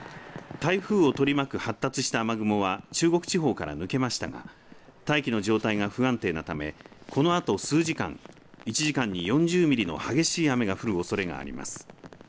台風を取り巻く発達した雨雲は中国地方から抜けましたが大気の状態が不安定なためこのあと数時間１時間に４０ミリの激しい雨が降るおそれがあります。